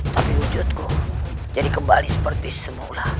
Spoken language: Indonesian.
tapi wujudku jadi kembali seperti semula